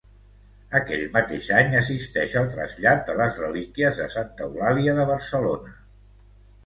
Aquell mateix any assisteix al trasllat de les relíquies de Santa Eulàlia de Barcelona.